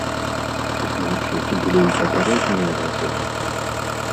Значыць, былі і папярэднія разы?